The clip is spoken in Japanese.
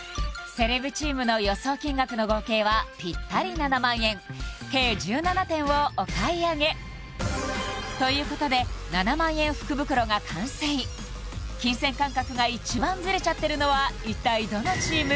セレブチームの予想金額の合計はぴったり７万円計１７点をお買い上げということで７万円福袋が完成金銭感覚が一番ズレちゃってるのは一体どのチーム？